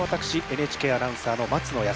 ＮＨＫアナウンサーの松野靖彦。